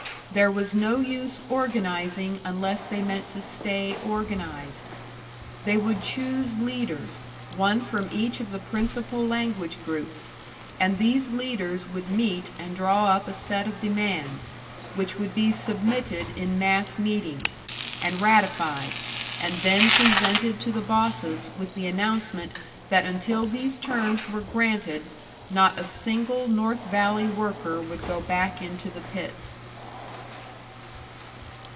There was no use organising unless they meant to stay organised. They would choose leaders, one from each of the principal language groups; and these leaders would meet and draw up a set of demands, which would be submitted in mass meeting, and ratified, and then presented to the bosses with the announcement that until these terms were granted, not a single North Valley worker would go back into the pits.